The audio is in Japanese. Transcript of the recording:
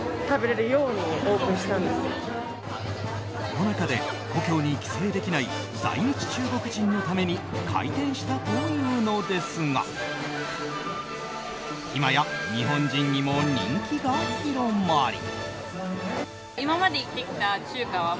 コロナ禍で故郷に帰省できない在日中国人のために開店したというのですが今や、日本人にも人気が広まり。